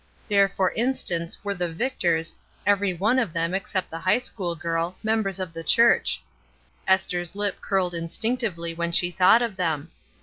There, for instance, were the Victors, every one of them, except the high school girl, members of the church. Esther's lip curled instinctively when she thought of them.